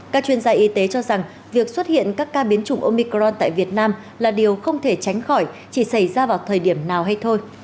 các chuyên gia y tế cho rằng việc xuất hiện các ca biến chủng omicron tại việt nam là điều không thể tránh khỏi chỉ xảy ra vào thời điểm nào hay thôi